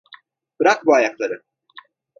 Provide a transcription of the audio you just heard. Bırak bu ayakları.